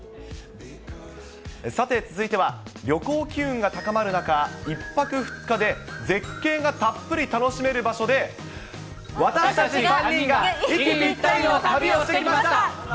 さて、続いては、旅行機運が高まる中、１泊２日で絶景がたっぷり楽しめる場所で、私たち３人が息ぴったりの旅をしてきました！